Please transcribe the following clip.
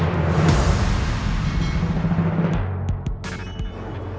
sebelum rizky tau semuanya